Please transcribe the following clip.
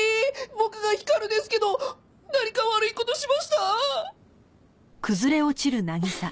僕が光ですけど何か悪い事しました！？